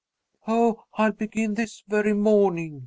"Oh, I'll begin this very morning!"